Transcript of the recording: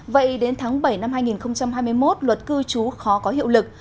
vậy đến tháng bảy năm hai nghìn hai mươi một luật cư trú khó có hiệu lực